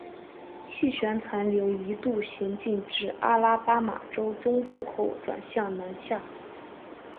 气旋残留一度行进至阿拉巴马州中部后转向南下。